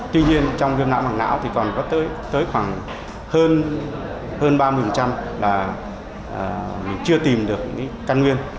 tuy nhiên trong viêm mạng não thì còn có tới khoảng hơn ba mươi là mình chưa tìm được những căn nguyên